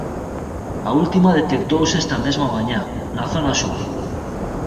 A última detectouse esta mesma mañá, na zona sur.